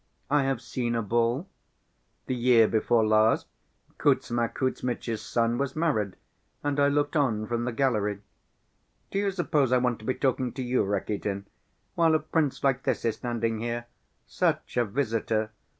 "I have seen a ball. The year before last, Kuzma Kuzmitch's son was married and I looked on from the gallery. Do you suppose I want to be talking to you, Rakitin, while a prince like this is standing here. Such a visitor!